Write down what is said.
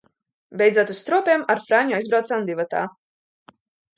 Beidzot uz Stropiem ar Fraņu aizbraucām divatā.